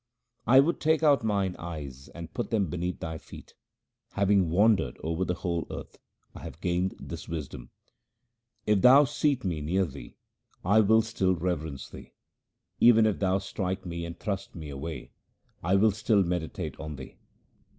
I would take out mine eyes and put them beneath Thy feet : having wandered over the whole earth I have gained this wisdom. If Thou seat me near Thee, I will still reverence Thee ; 334 THE SIKH RELIGION even if Thou strike me and thrust me away, I will still meditate on Thee.